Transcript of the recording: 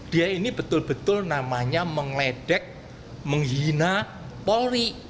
dia ini betul betul namanya mengledek menghina polri